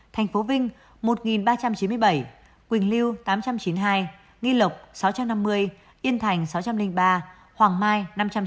thành phố vinh một nghìn ba trăm chín mươi bảy quỳnh lưu tám trăm chín mươi hai nghi lộc sáu trăm năm mươi yên thành sáu trăm linh ba hoàng mai năm trăm sáu mươi